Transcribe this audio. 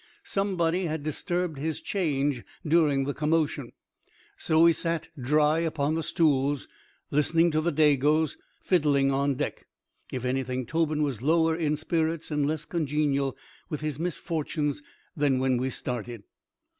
Somebody had disturbed his change during the commotion. So we sat, dry, upon the stools, listening to the Dagoes fiddling on deck. If anything, Tobin was lower in spirits and less congenial with his misfortunes than when we started.